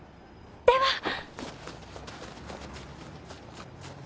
では！